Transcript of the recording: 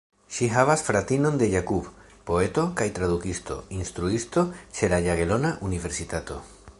Ŝi havas fratinon de Jakub, poeto kaj tradukisto, instruisto ĉe la Jagelona Universitato.